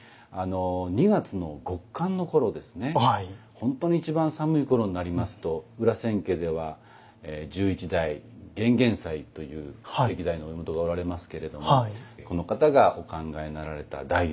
本当に一番寒い頃になりますと裏千家では十一代玄々斎という歴代のお家元がおられますけれどもこの方がお考えになられた大炉。